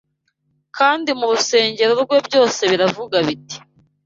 Kandi mu rusengero rwe byose bikavuga biti